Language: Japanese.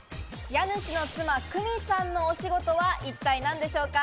家主の妻・玖美さんのお仕事は一体何でしょうか？